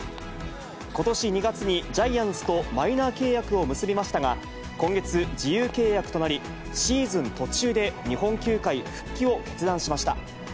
ことし２月にジャイアンツとマイナー契約を結びましたが、今月、自由契約となり、シーズン途中で日本球界復帰を決断しました。